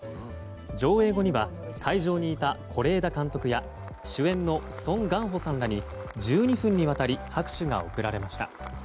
上映後には会場にいた是枝監督や主演のソン・ガンホさんらに１２分にわたり拍手が送られました。